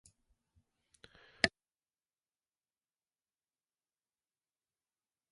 おやすみ赤ちゃんわたしがママよ